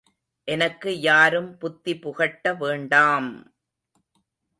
எனக்கு யாரும் புத்தி புகட்ட வேண்டாம்!...